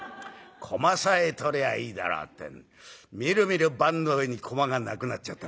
駒さえ取りゃいいだろうってんでみるみる盤の上に駒がなくなっちゃった。